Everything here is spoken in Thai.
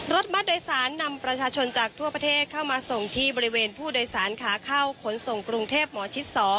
รถบัตรโดยสารนำประชาชนจากทั่วประเทศเข้ามาส่งที่บริเวณผู้โดยสารขาเข้าขนส่งกรุงเทพหมอชิด๒